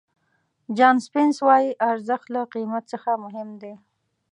جان سپینس وایي ارزښت له قیمت څخه مهم دی.